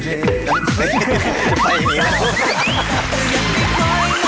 ไปอย่างนี้แล้ว